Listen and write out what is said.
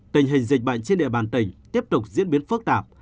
tình hình dịch bệnh trên địa bàn tỉnh tiếp tục diễn biến phức tạp